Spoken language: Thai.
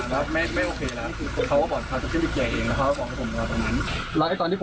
กางเกงนายใส่ถูกมั้ง